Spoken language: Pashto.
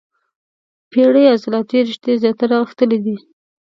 پېړې عضلاتي رشتې زیاتره غښتلي دي.